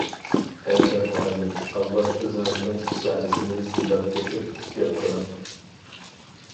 ئەزھەر مۇئەللىم، ئاۋۋال ئۆزىڭىزنىڭ پېشانىسىنى سىيلاپ بېقىپ گەپ قىلىڭ.